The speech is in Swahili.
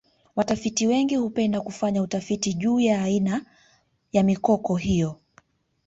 watafiti wengi hupenda kufanya utafiti juu ya aina ya mikoko hiyo